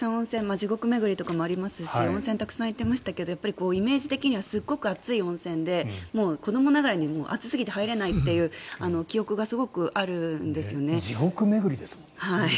地獄巡りとかもありますし温泉たくさん行っていましたがイメージ的にはすごく熱い温泉で子どもながらに熱過ぎて入れないという地獄巡りですもんね。